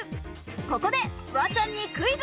ここでフワちゃんにクイズ。